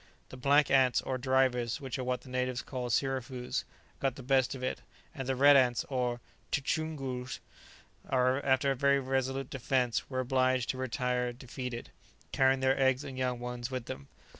The black ants, or drivers, which are what the natives call sirafoos, got the best of it; and the red ants, or 'tchoongoos,' after a very resolute defence, were obliged to retire defeated, carrying their eggs and young ones with them.